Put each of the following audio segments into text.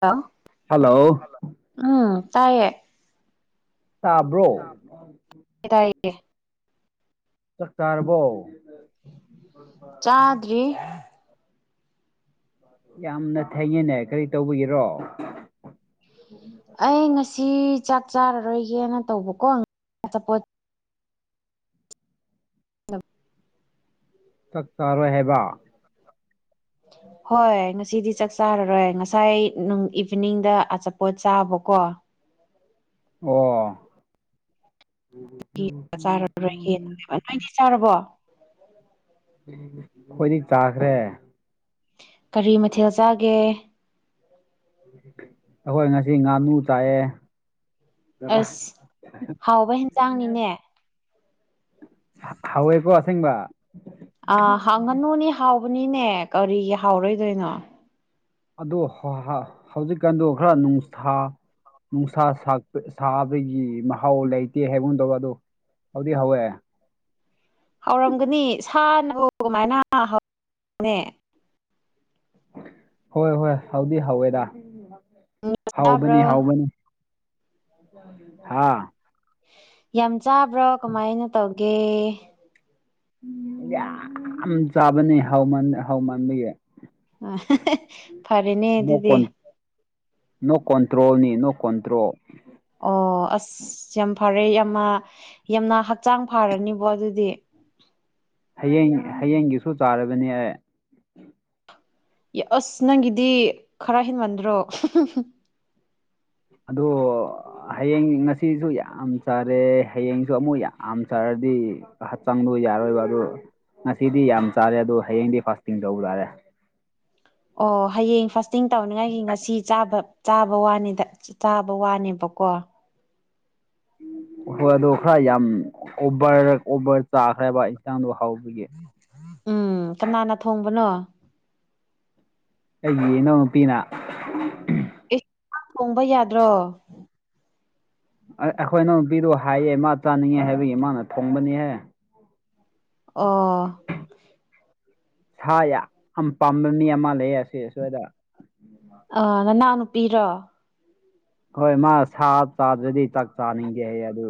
ꯂꯥꯎ ꯍꯜꯂꯣ ꯎꯝ ꯇꯥꯏꯌꯦ ꯇꯥꯕ꯭ꯔꯣ ꯀꯇꯥꯏ [unintelligible] ꯆꯥꯛ ꯆꯥꯔꯕꯣ ꯆꯥꯗ꯭ꯔꯤ ꯌꯥꯝꯅ ꯊꯦꯡꯉꯦꯅꯦ ꯀꯔꯤ ꯇꯧꯕꯒꯤꯔꯣ ꯑꯩ ꯉꯁꯤ ꯆꯥꯛ ꯆꯥꯔꯔꯣꯏꯒꯦꯅ ꯇꯧꯕꯀꯣ ꯑꯆꯥꯄꯣꯠ ꯆꯥꯛ ꯆꯥꯔꯣꯏ ꯍꯥꯏꯕ ꯍꯣꯏ ꯉꯁꯤꯗꯤ ꯆꯥꯛ ꯆꯥꯔꯔꯣꯏ ꯉꯁꯥꯏ ꯅꯨꯡ ꯏꯚꯤꯅꯤꯡꯗ ꯑꯆꯥꯄꯣꯠ ꯆꯥꯕꯀꯣ ꯅꯣꯏꯗꯤ ꯑꯣ ꯆꯥꯔꯕꯣ ꯈꯣꯢꯗꯤ ꯆꯥꯈ꯭ꯔꯦ ꯀꯔꯤ ꯃꯊꯦꯜ ꯆꯥꯒꯦ ꯑꯈꯣꯏ ꯉꯁꯤ ꯉꯥꯅꯨ ꯆꯥꯑꯦ ꯑꯁ ꯍꯥꯎꯕ ꯍꯦꯟꯖꯥꯡꯅꯤꯅꯦ ꯍꯥꯎꯋꯦꯀꯣ ꯑꯁꯦꯡꯕ ꯑꯥ ꯍꯥ ꯉꯥꯅꯨꯅꯤ ꯍꯥꯎꯕꯅꯤꯅꯦ ꯀꯔꯤꯒꯤ ꯍꯥꯎꯔꯣꯏꯗꯣꯏꯅꯣ ꯑꯗꯣ ꯍꯣ ꯍꯥ ꯍꯧꯖꯤꯛꯀꯥꯟꯗꯣ ꯈꯔ ꯅꯨꯡꯁꯥ ꯅꯨꯡꯁꯥ ꯁꯥꯠꯄ ꯁꯥꯕꯒꯤ ꯃꯍꯥꯎ ꯂꯩꯇꯦ ꯍꯥꯏꯕꯒꯨꯝꯇꯧꯕ ꯑꯗꯣ ꯍꯥꯎꯗꯤ ꯍꯥꯎꯋꯦ ꯍꯥꯎꯔꯝꯒꯅꯤ ꯁꯥꯅꯕꯨ ꯀꯃꯥꯏꯅ ꯍꯧꯔꯣꯢꯅꯦ ꯍꯣꯏ ꯍꯣꯏ ꯍꯥꯎꯗꯤ ꯍꯥꯎꯋꯦꯗ ꯍꯥꯎꯕꯅꯤ ꯆꯥꯕ꯭ꯔꯣ ꯍꯥꯎꯕꯅꯤ ꯍꯥꯥ ꯌꯥꯝ ꯆꯥꯕ꯭ꯔꯣ ꯀꯃꯥꯏꯅ ꯇꯧꯒꯦ ꯌꯥꯝ ꯆꯥꯕꯅꯦ ꯍꯥꯎꯃꯟ ꯍꯥꯎꯃꯟꯕꯒꯤ ꯑꯥ [unintelligible] ꯐꯔꯦꯅꯦ ꯃꯣꯛ ꯑꯗꯨꯗꯤ ꯀꯣꯟ ꯅꯣ ꯀꯣꯟꯇ꯭ꯔꯣꯜꯅꯤ ꯅꯣ ꯀꯣꯟꯇ꯭ꯔꯣꯜ ꯑꯣ ꯑꯁ ꯌꯥꯝ ꯐꯔꯦ ꯌꯥꯝꯅ ꯌꯥꯝꯅ ꯍꯛꯆꯥꯡ ꯐꯔꯅꯤꯕꯣ ꯑꯗꯨꯗꯤ ꯍꯌꯦꯡ ꯍꯌꯦꯡꯒꯤꯁꯨ ꯆꯥꯔꯕꯅꯦ ꯑꯦ ꯌꯦ ꯑꯁ ꯅꯪꯒꯤꯗꯤ ꯈꯔ ꯍꯦꯟꯃꯟꯗ꯭ꯔꯣ [unintelligible] ꯑꯗꯣ ꯍꯌꯦꯡ ꯉꯁꯤꯁꯨ ꯌꯥꯝ ꯆꯥꯔꯦ ꯍꯌꯦꯡꯁꯨ ꯑꯃꯨꯛ ꯌꯥꯝ ꯆꯥꯔꯗꯤ ꯍꯛꯆꯪꯗꯨ ꯌꯥꯔꯣꯏꯕ ꯑꯗꯨ ꯉꯁꯤꯗꯤ ꯌꯥꯝ ꯆꯥꯔꯦ ꯑꯗꯨ ꯍꯌꯦꯡꯗꯤ ꯐꯥꯁꯇꯤꯡ ꯇꯧꯕ ꯇꯥꯔꯦ ꯑꯣ ꯍꯌꯦꯡ ꯐꯥꯁꯇꯤꯡ ꯇꯧꯅꯤꯡꯉꯥꯏꯒꯤ ꯉꯁꯤ ꯆꯥꯕ ꯆꯥꯕ ꯋꯥꯅꯤꯗ ꯆꯥꯕ ꯋꯥꯅꯦꯕꯀꯣ ꯍꯣꯏ ꯑꯗꯣ ꯈꯔ ꯌꯥꯝ ꯑꯣꯕꯔ ꯑꯣꯕꯔ ꯆꯥꯈ꯭ꯔꯦꯕ ꯏꯟꯁꯥꯡꯗꯣ ꯍꯥꯎꯕꯒꯤ ꯎꯝ ꯀꯅꯥꯅ ꯊꯣꯡꯕꯅꯣ ꯑꯩꯒꯤ ꯏꯅꯥꯎ ꯅꯨꯄꯤꯅ [inaudible] ꯑꯦ [unintelligible] ꯊꯣꯡꯕ ꯌꯥꯗ꯭ꯔꯣ ꯑꯩ ꯑꯈꯣꯏ ꯏꯟꯅꯥꯎ ꯅꯨꯄꯤꯗꯨ ꯍꯩꯌꯦ ꯃꯥ ꯆꯥꯅꯤꯡꯉꯦ ꯍꯥꯏꯕꯒꯤ ꯃꯥꯅ ꯊꯣꯡꯕꯅꯤꯍꯦ ꯑꯣ ꯁꯥ ꯌꯥꯝ ꯄꯥꯝꯕ ꯃꯤ ꯑꯃ ꯂꯩ ꯑꯁꯤ ꯁ꯭ꯋꯥꯏꯗ ꯑ ꯅꯅꯥꯎ ꯅꯨꯄꯤꯔꯣ ꯍꯣꯏ ꯃꯥ ꯁꯥ ꯆꯥꯗ꯭ꯔꯗꯤ ꯆꯥꯛ ꯆꯥꯅꯤꯡꯗꯦ ꯍꯥꯏꯌꯦ ꯑꯗꯨ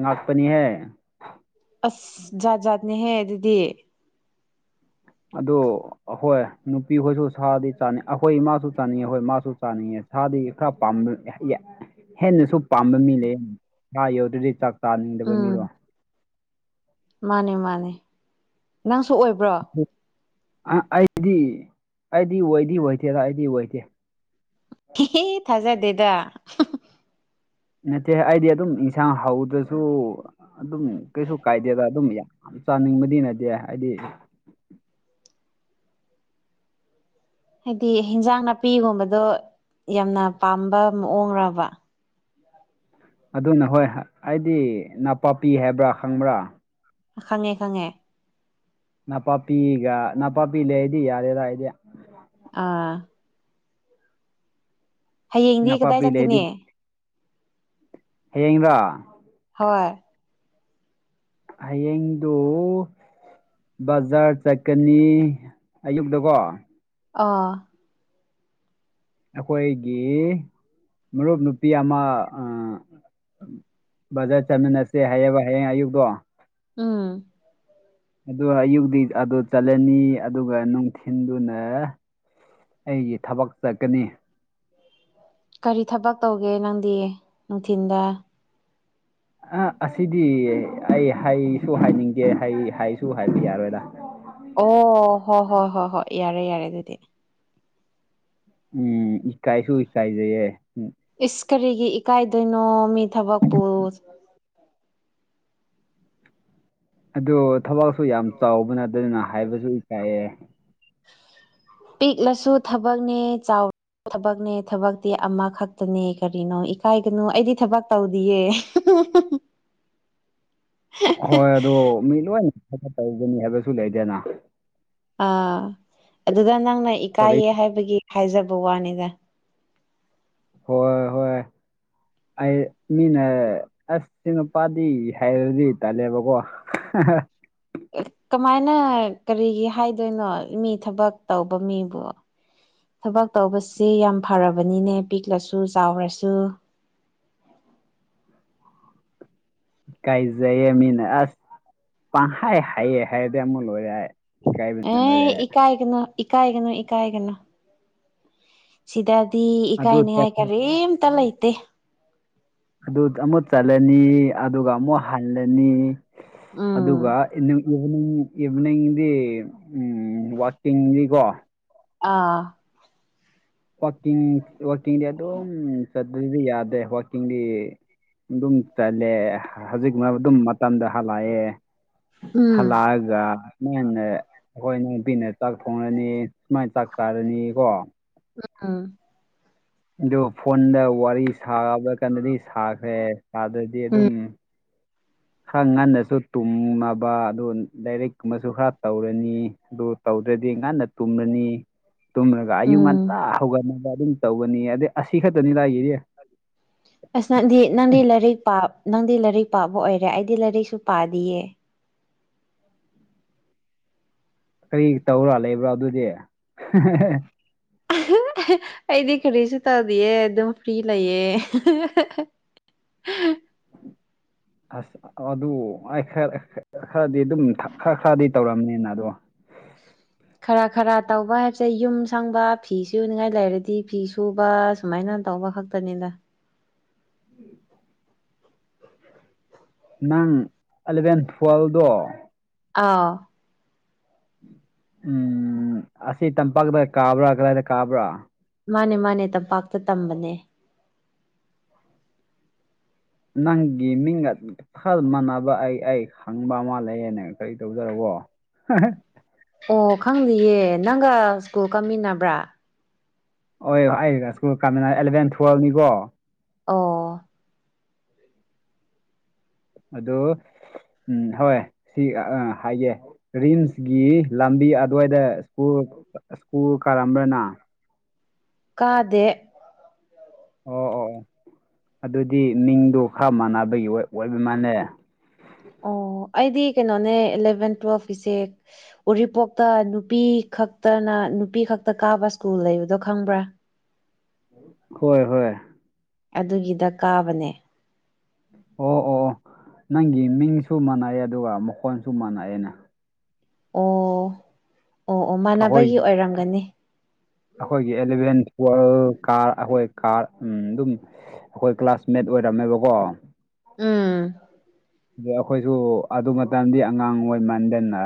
ꯉꯛꯄꯅꯤꯍꯦ ꯑꯁ ꯖꯥꯠ ꯖꯥꯠꯅꯤꯍꯦ ꯑꯗꯨꯗꯤ ꯑꯗꯨ ꯑꯍꯣꯏ ꯅꯨꯄꯤꯍꯣꯏꯁꯨ ꯁꯥꯗꯤ ꯆꯥꯅꯤꯡ ꯑꯈꯣꯏ ꯏꯃꯥꯁꯨ ꯆꯥꯅꯤꯡꯉꯦ ꯍꯣꯏ ꯃꯥꯁꯨ ꯆꯥꯅꯤꯡꯉꯦ ꯁꯥꯗꯤ ꯈꯔ ꯄꯥꯝꯕ [unintelligible] ꯍꯦꯟꯅꯁꯨ ꯄꯥꯝꯕ ꯃꯤ ꯂꯩ ꯁꯥ ꯌꯥꯎꯗ꯭ꯔꯗꯤ ꯆꯥꯛ ꯆꯥꯅꯤꯡꯗꯕ ꯃꯤꯗꯣ ꯎꯝ ꯃꯥꯅꯦ ꯃꯥꯅꯦ ꯅꯪꯁꯨ ꯑꯣꯏꯕ꯭ꯔꯣ [unintelligible] ꯑꯩꯗꯤ ꯑꯩꯗꯤ ꯑꯣꯏꯗꯤ ꯑꯣꯏꯗꯦꯗ ꯑꯩꯗꯤ ꯑꯣꯏꯗꯦ [unintelligible] ꯊꯥꯖꯗꯦꯗ ꯅꯠꯇꯦ ꯑꯩꯗꯤ ꯑꯗꯨꯝ ꯏꯟꯁꯥꯡ ꯍꯧꯗ꯭ꯔꯁꯨ ꯑꯗꯨꯝ ꯀꯩꯁꯨ ꯀꯥꯏꯗꯦꯗ ꯑꯗꯨꯝ ꯌꯥꯏ ꯆꯥꯅꯤꯡꯕꯗꯤ ꯅꯠꯇꯦ ꯍꯥꯏꯗꯤ ꯍꯥꯏꯗꯤ ꯍꯤꯟꯖꯥꯡ ꯅꯥꯄꯤꯒꯨꯝꯕꯗꯣ ꯌꯥꯝꯅ ꯄꯥꯝꯕ ꯃꯑꯣꯡꯔꯕ ꯑꯗꯨꯅ ꯍꯣꯏ ꯑꯩꯗꯤ ꯅꯄꯥꯛꯄꯤ ꯍꯥꯏꯕ꯭ꯔ ꯈꯪꯕꯔ ꯈꯪꯉꯦ ꯈꯪꯉꯦ ꯅꯄꯥꯛꯄꯤꯒ ꯅꯄꯥꯛꯄꯤ ꯂꯩꯔꯗꯤ ꯌꯥꯔꯦꯗ ꯑꯩꯗꯤ ꯑꯥ ꯍꯌꯦꯡꯗꯤ ꯀꯗꯥꯏ ꯅꯄꯥꯛꯄꯤ ꯆꯠꯀꯅꯤ ꯍꯌꯦꯡꯔꯣ ꯍꯣꯏ ꯍꯌꯦꯡꯗꫭ ꯕꯖꯥꯔ ꯆꯠꯀꯅꯤ ꯑꯌꯨꯛꯇꯀꯣ ꯑꯥ ꯑꯈꯣꯏꯒꯤ ꯃꯔꯨꯞ ꯅꯨꯄꯤ ꯑꯃ ꯑ ꯕꯖꯥꯔ ꯆꯠꯃꯤꯟꯅꯁꯦ ꯍꯥꯏꯌꯦꯕ ꯍꯌꯦꯡ ꯑꯌꯨꯛꯇꯣ ꯎꯝ ꯑꯗꯨ ꯑꯌꯨꯛꯇꯤ ꯑꯗꯨ ꯆꯠꯂꯅꯤ ꯑꯗꯨꯒ ꯅꯨꯡꯊꯤꯟꯗꯨꯅ ꯑꯩꯒꯤ ꯊꯕꯛ ꯆꯠꯀꯅꯤ ꯀꯔꯤ ꯊꯕꯛ ꯇꯧꯒꯦ ꯅꯪꯗꯤ ꯅꯨꯡꯊꯤꯟꯗ ꯑ ꯑꯁꯤꯗꯤ ꯑꯩ ꯍꯥꯏꯁꯨ ꯍꯥꯏꯅꯤꯡꯗꯦ ꯍꯥꯏꯁꯨ ꯍꯥꯏꯕ ꯌꯥꯔꯣꯏꯗ ꯑꯣ ꯍꯣ ꯍꯣ ꯍꯣ ꯍꯣꯏ ꯌꯥꯔꯦ ꯌꯥꯔꯦ ꯑꯗꯨꯗꯤ ꯎꯝ ꯏꯀꯥꯏꯁꯨ ꯏꯀꯥꯏꯖꯩꯌꯦ ꯏꯁ ꯀꯔꯤꯒꯤ ꯏꯀꯥꯏꯗꯣꯏꯅꯣ ꯃꯤ ꯊꯕꯛꯄꯨ ꯑꯗꯨ ꯊꯕꯛꯁꯨ ꯌꯥꯝ ꯆꯥꯎꯕ ꯅꯇꯦꯗꯅ ꯍꯥꯏꯕꯁꯨ ꯏꯀꯥꯏꯌꯦ [inaudible] ꯄꯤꯛꯂꯁꯨ ꯊꯕꯛꯅꯦ ꯆꯥꯎ ꯊꯕꯛꯅꯦ ꯊꯕꯛꯇꯤ ꯑꯃꯈꯛꯇꯅꯦ ꯀꯔꯤꯅꯣ ꯏꯀꯥꯏꯒꯅꯨ ꯑꯩꯗꯤ ꯊꯕꯛ ꯇꯧꯗꯤꯌꯦ [unintelligible] [inaudible] ꯍꯣꯏ ꯑꯗꯣ ꯃꯤ ꯂꯣꯏꯟ ꯊꯕꯛ ꯇꯧꯒꯅꯤ ꯍꯥꯏꯕꯁꯨ ꯂꯩꯗꯦꯅ ꯑꯥ ꯑꯗꯨꯗ ꯅꯪꯅ ꯀꯔꯤ ꯏꯀꯥꯏꯌꯦ ꯍꯥꯏꯕꯒꯤ ꯍꯥꯏꯖꯕ ꯋꯥꯅꯤꯗ ꯍꯣꯏ ꯍꯣꯏ ꯑꯩ ꯃꯤꯅ ꯑꯁ ꯁꯤ ꯅꯨꯄꯥꯗꯤ ꯍꯥꯏꯔꯗꯤ ꯇꯜꯂꯦꯕꯀꯣ [unintelligible] ꯀꯃꯥꯏꯅ ꯀꯔꯤꯒꯤ ꯍꯥꯏꯗꯣꯏꯅꯣ ꯃꯤ ꯊꯕꯛ ꯇꯧꯕ ꯃꯤꯕꯨ ꯊꯕꯛ ꯇꯧꯕꯁꯤ ꯌꯥꯝ ꯐꯔꯕꯅꯤꯅꯦ ꯄꯤꯛꯂꯁꯨ ꯆꯥꯎꯔꯁꯨ ꯀꯥꯏꯖꯩꯌꯦ ꯃꯤꯅ ꯑꯁ ꯄꯪꯍꯥꯏ ꯍꯥꯏꯌꯦ ꯍꯥꯏꯔꯗꯤ ꯑꯃꯨꯛ ꯂꯣꯏꯔꯦ ꯍꯥꯏ ꯑꯦ ꯏꯀꯥꯏꯒꯅꯨ ꯏꯀꯥꯏꯒꯅꯨ ꯏꯀꯥꯏꯒꯅꯨ ꯁꯤꯗꯗꯤ ꯑꯗꯨ ꯏꯀꯥꯏꯅꯤꯉꯥꯏ ꯆꯠ- ꯀꯔꯤꯝꯇ ꯂꯩꯇꯦ ꯑꯗꯨ ꯑꯃꯨꯛ ꯆꯠꯂꯅꯤ ꯑꯗꯨꯒ ꯑꯃꯨꯛ ꯍꯜꯂꯅꯤ ꯑꯗꯨꯒ ꯎꯝ ꯏꯅꯨꯡ ꯏꯚ꯭ꯅꯤꯡꯗꯤ ꯋꯥꯛꯀꯤꯡꯗꯤꯀꯣ ꯑꯥ ꯋꯥꯥꯛꯀꯤꯡ ꯋꯥꯛꯀꯤꯡꯗꯤ ꯑꯗꯨꯝ ꯆꯇ꯭ꯔꯗꯤ ꯌꯥꯗꯦ ꯋꯥꯀꯤꯡꯗꯤ ꯑꯗꯨꯝ ꯆꯜꯂꯦ ꯍꯧꯖꯤꯛꯃꯛ ꯑꯗꯨꯝ ꯃꯇꯝꯗ ꯍꯜꯂꯛꯑꯦ ꯎꯝ ꯍꯜꯂꯛꯑꯒ ꯉꯟꯅ ꯑꯈꯣꯏ ꯅꯨꯄꯤꯅ ꯆꯥꯛ ꯊꯣꯡꯉꯅꯤ ꯁꯨꯃꯥꯏꯟ ꯆꯥꯛ ꯆꯥꯔꯅꯤ ꯀꯣ ꯑ ꯑꯗꯨ ꯐꯣꯟꯗ ꯋꯥꯔꯤ ꯁꯥꯕ ꯀꯥꯟꯗꯗꯤ ꯁꯥꯈ꯭ꯔꯦ ꯁꯥꯗ꯭ꯔꯗꯤ ꯎꯝ ꯑꯗꯨꯝ ꯈꯔ ꯉꯟꯅꯁꯨ ꯇꯨꯝꯃꯕ ꯑꯗꯨ ꯂꯥꯏꯔꯤꯛ ꯀꯨꯝꯕꯁꯨ ꯈꯔ ꯇꯧꯔꯅꯤ ꯑꯗꯨ ꯇꯧꯗ꯭ꯔꯗꯤ ꯉꯟꯅ ꯇꯨꯝꯒꯅꯤ ꯇꯨꯝꯂꯒ ꯑꯌꯨꯛ ꯎꯝ ꯉꯟꯇꯥ ꯍꯧꯒꯠꯅꯕ ꯑꯗꯨꯝ ꯇꯧꯒꯅꯤꯌꯦ ꯑꯗꯩ ꯑꯁꯤ ꯈꯛꯇꯅꯤ ꯑꯩꯒꯤꯗꯤ [inaudible] ꯑꯁ ꯅꯪꯗꯤ ꯅꯪꯗꯤ ꯂꯥꯏꯔꯤꯛ ꯄꯥ ꯅꯪꯗꯤ ꯂꯥꯏꯔꯤꯛ ꯄꯥꯕ ꯑꯣꯏꯔꯦ ꯑꯩꯗꯤ ꯂꯥꯏꯔꯤꯛꯁꯨ ꯄꯥꯗꯤꯌꯦ ꯀꯔꯤ ꯇꯧꯔꯥ ꯂꯩꯕ꯭ꯔꯥ ꯑꯗꯨꯗꯤ ꯑꯩꯗꯤ ꯀꯔꯤꯁꯨꯨ ꯇꯧꯗꯤꯑꯦ ꯑꯗꯨꯝ ꯐ꯭ꯔꯤ ꯂꯩꯌꯦ [inaudible] ꯑꯁ ꯑꯗꯨ ꯍꯥꯏ ꯈꯔ ꯈꯔꯗꯤ ꯑꯗꯨꯝ ꯈꯔ ꯈꯔꯗꯤ ꯇꯧꯔꯝꯅꯤꯅ ꯑꯗꯨ ꯈꯔ ꯈꯔ ꯇꯧꯕ ꯍꯥꯏꯕꯁꯦ ꯌꯨꯝ ꯁꯪꯕ ꯐꯤ ꯁꯨꯅꯤꯉꯥꯏ ꯂꯩꯔꯗꯤ ꯐꯤ ꯁꯨꯕ ꯁꯨꯃꯥꯏꯅ ꯇꯧꯕ ꯈꯛ ꯇꯅꯤꯅ ꯅꯪ ꯑꯂꯚꯦꯟ ꯐꯣꯜꯗꯣ ꯑꯥꯎ ꯎꯝ ꯑꯁꯤ ꯇꯝꯄꯥꯛꯇ ꯀꯥꯕ꯭ꯔꯥ ꯀꯔꯥꯏꯗ ꯀꯥꯕ꯭ꯔꯥ ꯃꯥꯅꯦ ꯃꯥꯅꯦ ꯇꯝꯄꯥꯛꯇ ꯇꯝꯕꯅꯦ ꯅꯪꯒꯤ ꯃꯤꯡꯒ ꯈꯜ ꯃꯥꯟꯅꯕ ꯑꯩ ꯑꯩ ꯈꯪꯕ ꯑꯃ ꯂꯩꯌꯦꯅ ꯀꯔꯤ ꯇꯧꯖꯔꯕꯣ ꯍꯥ ꯍꯥ ꯑꯣ ꯈꯪꯗꯤꯌꯦ ꯅꯪꯒ ꯁ꯭ꯀꯨꯜ ꯀꯥꯃꯤꯟꯅꯕ꯭ꯔꯥ ꯍꯣꯏ ꯑꯩꯒ ꯁ꯭ꯀꯨꯜ ꯀꯥꯃꯤꯅꯩ ꯑꯦꯂꯚꯦꯟ ꯇꯨꯋꯦꯜꯅꯤꯀꯣ ꯑꯣ ꯑꯗꯣ ꯎꯝ ꯍꯣꯏ ꯁꯤ ꯑꯥ ꯍꯥꯏꯒꯦ ꯔꯤꯝꯁꯀꯤ ꯂꯝꯕꯤ ꯑꯗꯨꯋꯥꯏꯗ ꯁ꯭ꯀꯨꯜ ꯁ꯭ꯀꯨꯜ ꯀꯥꯔꯝꯕ꯭ꯔ ꯅꯪ ꯀꯥꯗꯦ ꯑꯣ ꯑꯣ ꯑꯣ ꯑꯗꯨꯗꯤ ꯃꯤꯡꯗꯣ ꯈꯔ ꯃꯥꯟꯅꯕꯒꯤ ꯑꯣꯏꯕ ꯃꯥꯜꯂꯦ ꯑꯣ ꯑꯩꯗꯤ ꯀꯩꯅꯣꯅꯦ ꯑꯦꯂꯚꯦꯟ ꯇꯨꯋꯦꯜꯐ ꯀꯤꯁꯦ ꯎꯔꯤꯄꯣꯛꯇ ꯅꯨꯄꯤ ꯈꯛꯇꯅ ꯅꯨꯄꯤ ꯈꯛꯇ ꯀꯥꯕ ꯁ꯭ꯀꯨꯜ ꯂꯩꯕꯗꯣ ꯈꯪꯕ꯭ꯔꯥ? ꯍꯣꯏ ꯍꯣꯏ ꯑꯗꯨꯒꯤꯗ ꯀꯥꯕꯅꯦ꯫ ꯑꯣ ꯑꯣ ꯑꯣ ꯅꯪꯒꯤ ꯃꯤꯡꯁꯨ ꯃꯥꯟꯅꯑꯦ ꯑꯗꯨꯒ ꯃꯈꯣꯟꯁꯨ ꯃꯥꯟꯅꯩꯑꯦꯅꯦ꯫ ꯑꯣ ꯑꯣ ꯑꯣ ꯃꯥꯟꯅꯕꯒꯤ ꯑꯣꯏꯔꯝꯒꯅꯤ꯫ ꯑꯈꯣꯏꯒꯤ ꯑꯦꯂꯚꯦꯟ ꯇꯨꯋꯦꯜꯐ ꯀꯥꯔ ꯑꯈꯣꯏ ꯀꯥꯔ ꯎꯝ ꯑꯗꯨꯝ ꯑꯈꯣꯏ ꯀ꯭ꯂꯥꯁꯃꯦꯠ ꯑꯣꯏꯔꯝꯃꯦꯕꯀꯣ꯫ ꯎꯝ ꯑꯗꯩ ꯑꯈꯣꯏꯁꯨ ꯑꯗꯨ ꯃꯇꯝꯗꯤ ꯑꯉꯥꯡ ꯑꯣꯏꯃꯟꯗꯅ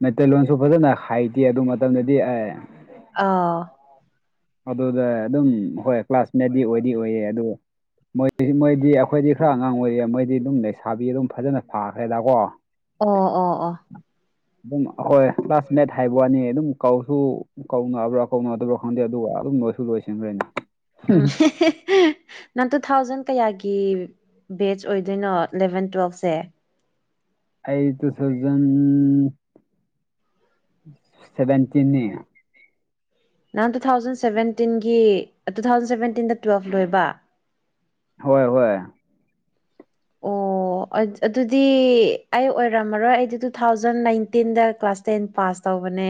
ꯃꯩꯇꯩꯂꯣꯟꯁꯨ ꯐꯖꯅ ꯍꯩꯇꯦ ꯑꯗꯨ ꯃꯇꯝꯗꯗꯤ ꯑꯩ꯫ ꯑꯥ ꯑꯗꯨꯗ ꯑꯗꯨꯝ ꯍꯣꯏ ꯀ꯭ꯂꯥꯁꯃꯦꯠꯗꯤ ꯑꯣꯏꯗꯤ ꯑꯣꯏꯌꯦ ꯑꯗꯨ ꯃꯣꯏꯗꯤ ꯃꯣꯏꯗꯤ ꯑꯈꯣꯏꯗꯤ ꯈꯔ ꯑꯉꯥꯡ ꯑꯣꯏꯔꯤ ꯃꯣꯏꯗꯤ ꯑꯗꯨꯝ ꯂꯩꯁꯥꯕꯤ ꯑꯗꯨꯝ ꯐꯖꯅ ꯐꯥꯈ꯭ꯔꯦꯗꯀꯣ ꯑꯣ ꯑꯣ ꯑꯣ [inaudible] ꯑꯗꯨꯝ ꯑꯣꯏ ꯀ꯭ꯂꯥꯁ ꯃꯦꯠ ꯍꯥꯏꯕ ꯋꯥꯅꯤ ꯑꯗꯨꯝ ꯀꯧꯁꯨ ꯀꯧꯅꯕ꯭ꯔꯥ ꯀꯧꯅꯗꯕ꯭ꯔꯥ ꯈꯪꯗꯦ ꯑꯗꯨ꯫ ꯑꯗꯨꯒ ꯑꯗꯨꯝ ꯂꯣꯏꯁꯨ ꯂꯣꯏꯁꯤꯟꯈ꯭ꯔꯦꯅꯦ꯫ ꯎꯝ [unintelligible] ꯅꯪ ꯇꯨ ꯊꯥꯎꯖꯟ ꯀꯌꯥꯒꯤ ꯕꯦꯖ ꯑꯣꯏꯗꯣꯏꯅꯣ ꯏꯂꯕꯦꯟ ꯇꯨꯋꯦꯜꯞꯁꯦ꯫ ꯑꯩ ꯇꯨ ꯊꯥꯎꯖꯟ ꯁꯚꯦꯟꯇꯤꯟꯅꯦ꯫ ꯅꯪ ꯇꯨ ꯊꯥꯎꯖꯟ ꯁꯚꯦꯟꯇꯤꯟꯒꯤ ꯇꯨ ꯊꯥꯎꯖꯟ ꯁꯚꯦꯟꯇꯤꯟꯗ ꯇꯨꯋꯦꯜꯐ ꯂꯣꯏꯕ꯫ ꯍꯣꯏ ꯍꯣꯏ [inaudible] ꯑꯣ ꯑꯗꯨꯗꯤ ꯑꯩ ꯑꯣꯏꯔꯝꯃꯔꯣꯏ ꯑꯩꯗꯤ ꯇꯨ ꯊꯥꯎꯖꯟ ꯅꯥꯏꯟꯇꯤꯟꯗ ꯀ꯭ꯂꯥꯁ ꯇꯦꯟ ꯄꯥꯁ ꯇꯧꯕꯅꯦ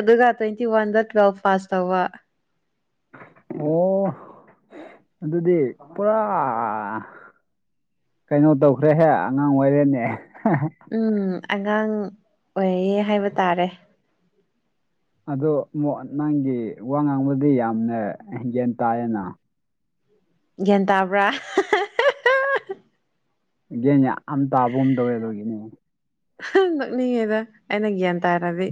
ꯑꯗꯨꯒ ꯇ꯭ꯋꯦꯟꯇꯤ ꯋꯥꯟꯗ ꯇꯨꯋꯦꯜꯐ ꯄꯥꯁ ꯇꯧꯕ꯫ ꯑꯣ ꯑꯗꯨꯗꯤ ꯄꯨꯔꯥ ꯀꯩꯅꯣ ꯇꯧꯈ꯭ꯔꯦꯍꯦ ꯑꯉꯥꯡ ꯑꯣꯏꯔꯦꯅꯦ꯫ ꯎꯝ ꯑꯉꯥꯡ ꯑꯣꯏꯌꯦ ꯍꯥꯏꯕ ꯇꯥꯔꯦ꯫ ꯑꯗꯣ ꯅꯪꯒꯤ ꯋꯥ ꯉꯥꯡꯕꯗꯤ ꯌꯥꯝꯅ ꯒ꯭ꯌꯥꯟꯅ ꯇꯥꯏꯌꯦꯅ꯫ ꯒ꯭ꯌꯥꯟ ꯇꯥꯕ꯭ꯔꯥ? ꯒꯦꯟ ꯌꯥꯝ ꯇꯥꯕ ꯑꯃ ꯇꯕꯒꯨꯝ ꯇꯧꯋꯦ ꯑꯗꯨꯒꯤꯅꯦ ꯅꯣꯛꯅꯤꯡꯉꯦꯗ ꯑꯩꯅ ꯒ꯭ꯌꯥꯟ ꯇꯥꯔꯗꯤ꯫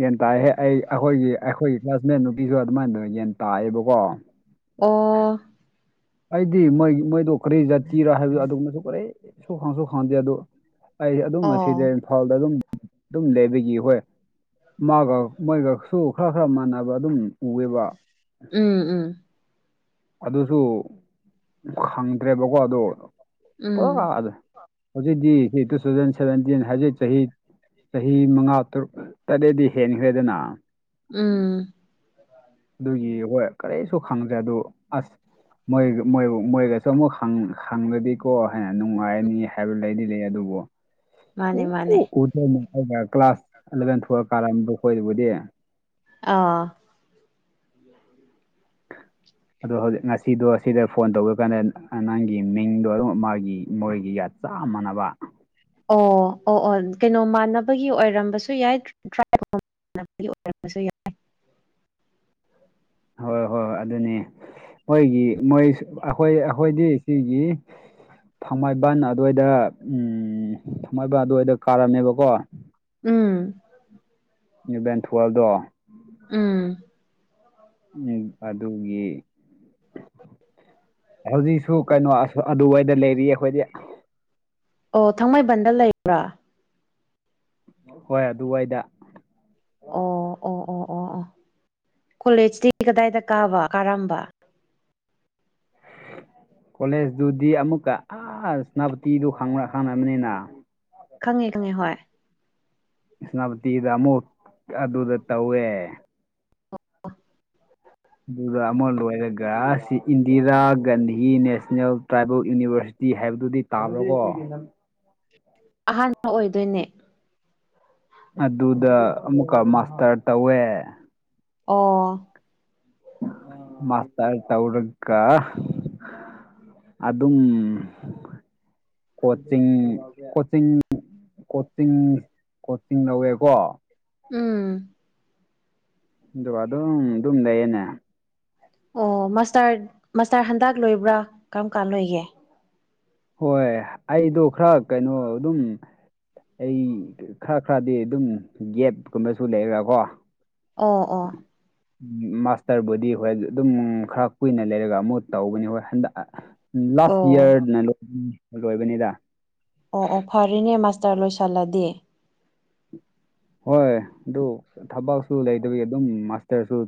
ꯒ꯭ꯌꯥꯟ ꯇꯥꯢꯍꯦ ꯑꯩ ꯑꯈꯣꯏꯒꯤ ꯑꯩꯈꯣꯏꯒꯤ ꯀ꯭ꯂꯥꯁꯃꯦꯠ ꯅꯨꯄꯤꯁꯨ ꯑꯗꯨꯃꯥꯏꯅꯗꯨ ꯌꯦꯟ ꯇꯥꯢꯑꯦꯕꯀꯣ꯫ ꯑꯣ ꯑꯩꯗꯤ ꯃꯣꯏ ꯃꯣꯏꯗꯣ ꯀ꯭ꯔꯤ ꯖꯥꯇꯤꯔꯥ ꯍꯥꯏꯕꯗꯣ ꯑꯗꯨꯒꯨꯝꯕꯁꯨ ꯀꯔꯤꯁꯨ ꯈꯪꯁꯨ ꯈꯪꯗꯦ ꯑꯗꯨ ꯑꯩꯁꯦ ꯑꯗꯨꯝ ꯑꯣ ꯉꯁꯤꯗ ꯏꯝꯐꯥꯜꯗ ꯑꯗꯨꯝ ꯑꯗꯨꯝ ꯂꯩꯕꯒꯤ ꯍꯣꯏ ꯃꯥꯒ ꯃꯣꯏꯒꯁꯨ ꯈꯔ ꯈꯔ ꯃꯥꯟꯅꯕ ꯑꯗꯨꯝ ꯎꯌꯦꯕ꯫ ꯎꯝ ꯎꯝ ꯑꯗꯨꯁꯨ ꯈꯪꯗ꯭ꯔꯦꯕꯀꯣ ꯑꯗꯨ ꯎꯝ ꯄꯨꯔꯥ ꯑ ꯍꯧꯖꯤꯗꯤ ꯇꯨ ꯊꯟ ꯁꯚꯦꯟꯇꯤꯟ ꯍꯧꯖꯤꯠ ꯆꯍꯤ ꯆꯍꯤ ꯃꯉꯥ ꯇꯔꯨꯛ ꯇꯔꯦꯠꯗꯤ ꯍꯦꯟꯈ꯭ꯔꯦꯗꯅ꯫ ꯎꯝ ꯑꯗꯨꯒꯤ ꯍꯣꯏ ꯀꯔꯤꯁꯨ ꯈꯪꯗ꯭ꯔꯦ ꯑꯗꯨ ꯑꯁ ꯃꯣꯏ ꯃꯣꯏꯕꯨ ꯃꯣꯏꯒꯁꯨ ꯑꯃꯨꯛ ꯍꯪꯂꯗꯤꯀꯣ ꯍꯥꯏꯅ ꯅꯨꯡꯉꯥꯏꯔꯅꯤ ꯍꯥꯏꯕ ꯂꯩꯗꯤ ꯂꯩ ꯑꯗꯨꯕꯨ ꯃꯥꯅꯦ ꯁꯨꯡꯎ ꯃꯥꯅꯦ ꯎꯗꯦꯅꯦ ꯑꯩꯅ ꯀ꯭ꯂꯥꯁ ꯑꯦꯂꯚꯦꯟ ꯊꯨꯋꯦꯞ ꯀꯥꯔꯗ ꯑꯩꯈꯣꯏꯗꯕꯨꯗꯤ꯫ ꯑꯥ [inaudible] ꯑꯗꯣ ꯍꯧꯖꯤꯛ ꯉꯁꯤꯗꯣ ꯁꯤꯗ ꯐꯣꯟ ꯇꯧꯒꯀꯥꯟꯅꯦꯟ ꯑ ꯅꯪꯒꯤ ꯃꯤꯡꯗꯣ ꯑꯗꯨꯝ ꯃꯥꯒꯤ ꯃꯣꯏꯒꯤ ꯌꯥꯠ ꯆꯥꯞ ꯃꯥꯟꯅꯕ ꯑꯣ ꯑꯣ ꯑꯣ ꯀꯩꯅꯣ ꯃꯥꯟꯅꯕꯒꯤ ꯑꯣꯏꯔꯝꯕꯁꯨ ꯌꯥꯏ [unintelligible] ꯍꯣꯏ ꯍꯣꯏ ꯍꯣꯏ ꯑꯗꯨꯅꯤ ꯃꯣꯏꯒꯤ ꯃꯣꯏ ꯑꯈꯣꯏ ꯑꯈꯣꯏꯗꯤ ꯁꯤꯒꯤ ꯊꯥꯡꯃꯩꯕꯟ ꯑꯗꯨꯋꯥꯏꯗ ꯎꯝ ꯊꯥꯡꯃꯩꯕꯟ ꯑꯗꯨꯋꯥꯏꯗ ꯀꯥꯔꯝꯃꯦꯕꯀꯣ ꯎꯝ ꯏꯂꯚꯦꯟ ꯊꯨꯒꯥꯏꯕꯗꯣ ꯎꯝ ꯅꯦꯛꯄ ꯑꯗꯨꯒꯤ ꯍꯧꯖꯤꯛꯁꯨ ꯀꯩꯅꯣ ꯑꯗꯨꯋꯥꯏꯗ ꯂꯩꯔꯤ ꯑꯈꯣꯏꯗꯤ ꯑꯣ ꯊꯥꯡꯃꯩꯕꯟꯗ ꯂꯩꯕ꯭ꯔꯥ ꯍꯣꯏ ꯑꯗꯨꯋꯥꯏꯗ ꯑꯣ ꯑꯣ ꯑꯣ ꯑꯣ ꯑꯣ ꯀꯣꯂꯦꯁꯇꯤ ꯀꯗꯥꯏꯗ ꯀꯥꯕ ꯀꯥꯔꯝꯕ ꯀꯣꯂꯦꯁꯗꯨꯗꯤ ꯑꯃꯨꯛꯀ ꯑ ꯁꯅꯥꯄꯇꯤꯗꯨ ꯈꯪꯕꯔ ꯈꯪꯂꯝꯅꯤꯅ ꯈꯪꯉꯦ ꯈꯪꯉꯦ ꯍꯣꯏ ꯁ꯭ꯅꯥꯄꯇꯤꯗ ꯑꯃꯨꯛ ꯑꯗꯨꯗ ꯇꯧꯋꯦ [unintelligible] ꯑꯗꯨꯒ ꯑꯃ ꯂꯣꯏꯔꯒ ꯁꯤ Indira Gandhi national tribal university ꯇꯤ ꯍꯥꯏꯕꯗꯨꯗꯤ ꯇꯥꯕ꯭ꯔꯀꯣ [inaudible] ꯑꯍꯥꯟꯕ ꯑꯣꯏꯗꯣꯏꯅꯦ ꯑꯗꯨꯗ ꯑꯃꯨꯛꯀ ꯃꯥꯁꯇꯔ ꯇꯧꯋꯦ ꯑꯣ ꯃꯁꯇꯔ ꯇꯧꯔꯒꯥ ꯑꯗꯨꯝ ꯀꯣꯆꯤꯡ ꯀꯣꯆꯤꯡ ꯀꯣꯆꯤꯡ ꯀꯣꯆꯤꯡ ꯂꯧꯋꯦꯀꯣ ꯎꯝ ꯑꯗꯨꯒ ꯑꯗꯨꯝ ꯗꯨꯝ ꯂꯩꯌꯦꯅꯦ ꯑꯣ ꯃꯥꯁꯇꯔ ꯃꯥꯁꯇꯔ ꯍꯟꯗꯛ ꯂꯣꯏꯕ꯭ꯔꯥ ꯀꯔꯝ ꯀꯥꯟ ꯂꯣꯏꯒꯦ ꯍꯣꯏ ꯑꯩꯗꯣ ꯈꯔ ꯀꯩꯅꯣ ꯑꯗꯨꯝ ꯑꯩ ꯈꯔ ꯈꯔꯗꯤ ꯑꯗꯨꯝ ꯒꯦꯞꯀꯨꯝꯕꯁꯨ ꯂꯩꯔꯥꯀꯣ ꯑꯣ ꯑꯣ [inaudible] ꯃꯥꯁꯇꯔꯕꯨꯗꯤ ꯍꯣꯏ ꯑꯗꯨꯝ ꯈꯔ ꯀꯨꯏꯅ ꯂꯩꯔꯒ ꯑꯃꯨꯛ ꯇꯧꯕꯅꯤ ꯍꯣꯏ ꯍꯟꯗꯛ ꯂꯥꯁ ꯑꯣ ꯏꯌꯔꯅ ꯂ ꯂꯣꯏꯕꯅꯤꯗ ꯑꯣ ꯑꯣ ꯐꯔꯦꯅꯦ ꯃꯥꯁꯇꯔ ꯂꯣꯏꯁꯜꯂꯗꯤ ꯍꯣꯏ ꯗꯨ ꯊꯕꯛꯁꯨ ꯂꯩꯗꯕꯤ ꯑꯗꯨꯝ ꯃꯥꯁꯇꯔꯁꯨ